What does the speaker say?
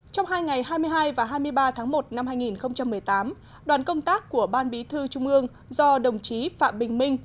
trong hai ngày hai mươi hai và hai mươi ba tháng một năm hai nghìn một mươi tám đoàn công tác của ban bí thư trung ương do đồng chí phạm bình minh